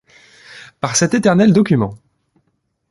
Par cet éternel document.